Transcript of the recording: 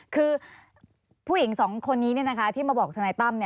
คือผู้หญิงสองคนนี้ที่มาบอกทนายตั้ม